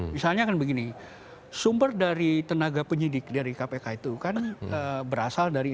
misalnya kan begini sumber dari tenaga penyidik dari kpk itu kan berasal dari